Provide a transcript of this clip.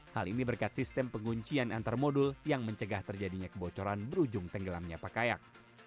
hal ini berkat sistem penguncian antar modul yang mencegah terjadinya kebocoran berujung tenggelamnya pak kayak